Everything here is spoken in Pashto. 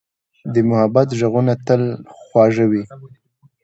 د محبت ږغونه تل خوږ وي.